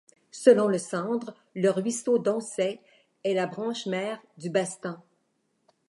Selon le Sandre, le ruisseau d'Oncet est la branche-mère du Bastan.